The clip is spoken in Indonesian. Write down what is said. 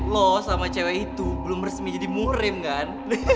lu sama cewek itu belum resmi jadi murim kan